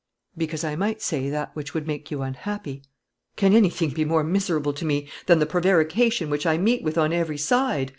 "Because I might say that which would make you unhappy." "Can anything be more miserable to me than the prevarication which I meet with on every side?"